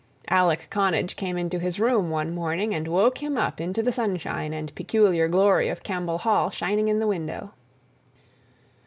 Alec Connage came into his room one morning and woke him up into the sunshine and peculiar glory of Campbell Hall shining in the window.